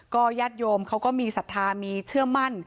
ญาติโยมเขาก็มีศรัทธามีเชื่อมั่น